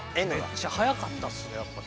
めっちゃ速かったっすねやっぱ玉。